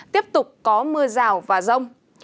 tiếp tục có mưa rào và rông